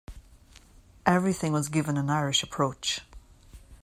Everything was given an Irish approach.